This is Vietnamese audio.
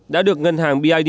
đã được ngân hàng bidv trao tới